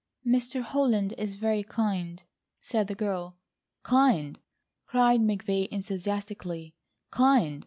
"Mr. Holland is very kind," said the girl. "Kind!" cried McVay enthusiastically. "Kind!